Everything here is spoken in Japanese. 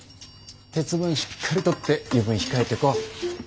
鉄分しっかりとって油分控えてこ！